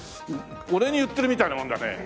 俺に言ってるみたいなもんだね。